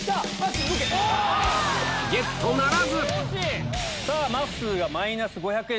ゲットならずまっすーがマイナス５００円